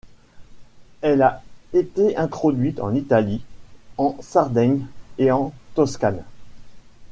Elle a été introduite en Italie, en Sardaigne et en Toscane.